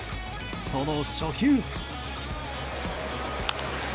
その初球。